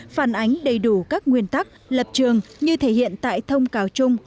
phản ánh đầy đủ các nguyên tắc lập trường như thể hiện tại thông cáo chung